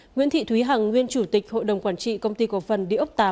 nguyễn thị thúy hằng nguyên chủ tịch hội đồng quản trị công ty cộng phần địa ốc viii